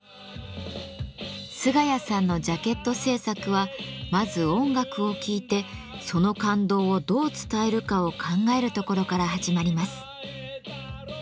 菅谷さんのジャケット制作はまず音楽を聴いてその感動をどう伝えるかを考えるところから始まります。